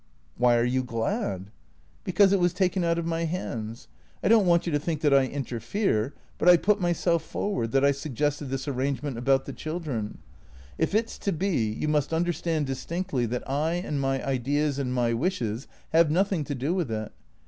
" Why are you glad ?"" Because it was taken out of my hands. I don't want you to think that I interfere, that I put myself forward, that I sug gested this arrangement about the children. If it 's to be, you must understand distinctly that I and my ideas and my wishes have nothing to do with it.